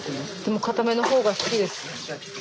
かための方が好きです。